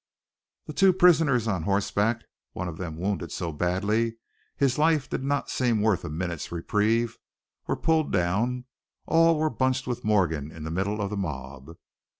The two prisoners on horseback, one of them wounded so badly his life did not seem worth a minute's reprieve, were pulled down; all were bunched with Morgan in the middle of the mob.